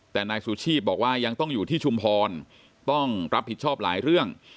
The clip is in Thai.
แต่นายสุชีพบอกว่ายังต้องอยู่ที่ชุมพรต้องรับผิดชอบหลายเรื่อง